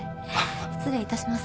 失礼いたします。